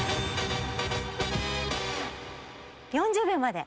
４０秒まで。